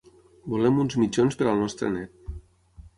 Volem uns mitjons per al nostre net.